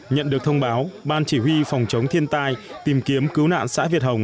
nhận được thông báo ban chỉ huy phòng chống thiên tai tìm kiếm cứu nạn xã việt hồng